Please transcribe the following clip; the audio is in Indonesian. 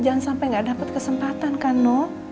jangan sampai nggak dapet kesempatan kan no